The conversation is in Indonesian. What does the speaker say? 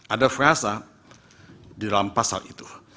ada frasa di dalam pasal itu